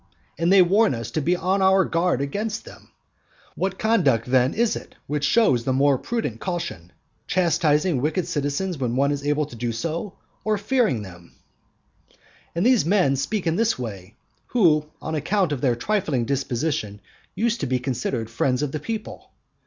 And they warn us to be on our guard against them. Which conduct then is it which shows the more prudent caution chastising wicked citizens when one is able to do so, or fearing them? II. And these men speak in this way, who on account of their trifling disposition used to be considered friends of the people.